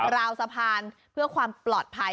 ราวสะพานเพื่อความปลอดภัย